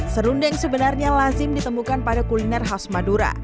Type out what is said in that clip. serundeng sebenarnya lazim ditemukan pada kuliner khas madura